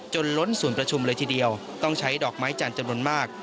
ล้นส่วนประชุมเลยทีเดียวต้องใช้ดอกไม้จันทร์จำนวนมาก